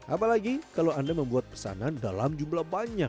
apalagi kalau anda membuat pesanan dalam jumlah banyak